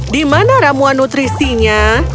dimana ramuan nutrisinya